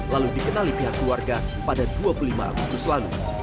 lalu dikenali pihak keluarga pada dua puluh lima agustus lalu